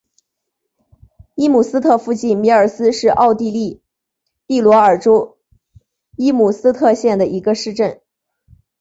伊姆斯特附近米尔斯是奥地利蒂罗尔州伊姆斯特县的一个市镇。